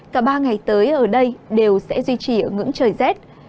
cả ba ngày tới ở đây đều sẽ duy trì ở ngưỡng trời rét